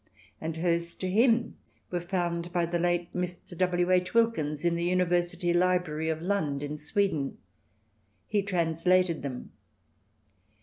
And hers to him were found by the late Mr. W. H. Wilkins in the University Library of Lund, in Sweden. He translated them.